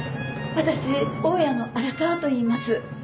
私大家の荒川といいます。